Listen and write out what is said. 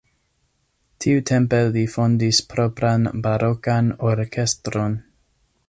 Tiutempe li fondis propran barokan orkestron.